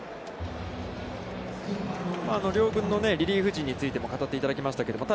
両軍のリリーフ陣についても語っていただきましたけども。